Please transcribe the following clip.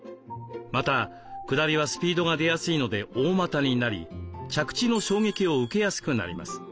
またくだりはスピードが出やすいので大股になり着地の衝撃を受けやすくなります。